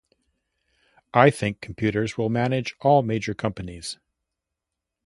I think computers will manage all major companies.